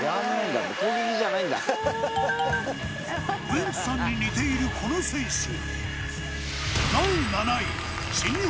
ウエンツさんに似ているこの選手。